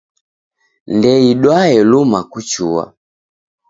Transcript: Ndeidwae luma kuchua.